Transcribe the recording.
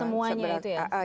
semuanya itu ya